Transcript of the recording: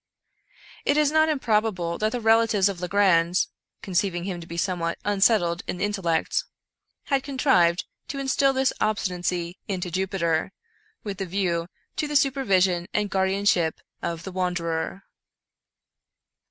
It is not improbable that the relatives of Legrand, conceiving him to be somewhat unsettled in intellect, had contrived to instill this obstinacy into Jupiter, with a view to the supervision and guardianship of the wanderer.